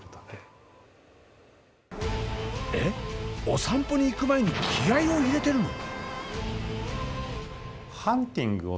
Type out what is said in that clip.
お散歩に行く前に気合いを入れているの？